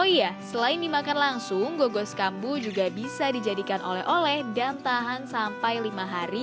oh iya selain dimakan langsung gogos kambu juga bisa dijadikan oleh oleh dan tahan sampai lima hari